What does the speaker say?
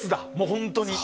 本当に。